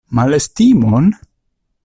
Malestimon?